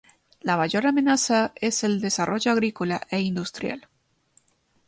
La mayor amenaza es el desarrollo agrícola e industrial.